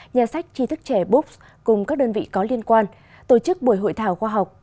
nhà sách tri thức trẻ books cùng các đơn vị có liên quan tổ chức buổi hội thảo khoa học